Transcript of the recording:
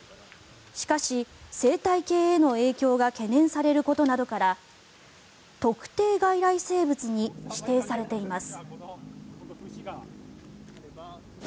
しかし、生態系への影響が懸念されることなどから特定外来生物に指定されています。